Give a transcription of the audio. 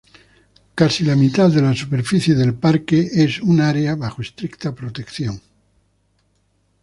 Casi la mitad de la superficie del parque es un área bajo estricta protección.